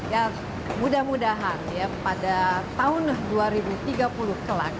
ya mudah mudahan ya pada tahun dua ribu tiga puluh kelak